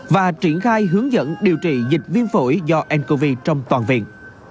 và triển khai hướng dẫn điều trị dịch viêm phổi do ncov trong toàn viện